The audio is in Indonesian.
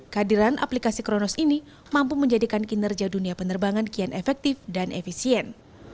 kehadiran aplikasi kronos ini mampu menjadikan kinerja dunia penerbangan kian efektif dan efisien